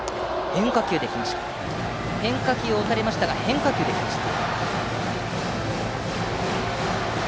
変化球を打たれましたが変化球で来ました。